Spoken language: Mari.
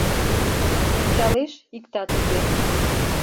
Ончалеш — иктат уке.